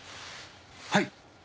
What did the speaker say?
はい。